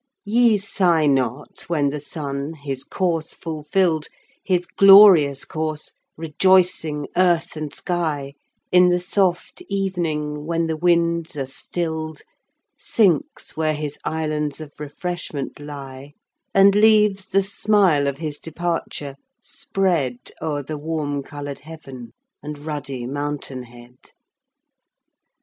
"Ye sigh not when the sun, his course fulfilled, His glorious course, rejoicing earth and sky, In the soft evening, when the winds are stilled, Sinks where his islands of refreshment lie, And leaves the smile of his departure, spread O'er the warm coloured heaven and ruddy mountain head.